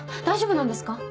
大丈夫なんですか？